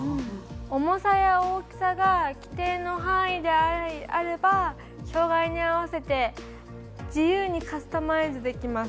重さや大きさが規定の範囲であれば障がいに合わせて自由にカスタマイズできます。